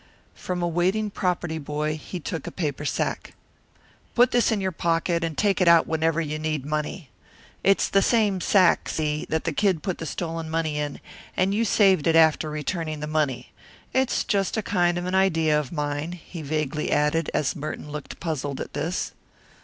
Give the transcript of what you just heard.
From a waiting property boy he took a paper sack. "Put this in your pocket and take it out whenever you need money. "It's the same sack, see, that the kid put the stolen money in, and you saved it after returning the money. It's just a kind of an idea of mine," he vaguely added, as Merton looked puzzled at this.